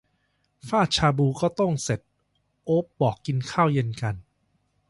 ฟาดชาบูก็โต้งเสร็จ โอ๊บบอกกินข้าวเย็นกัน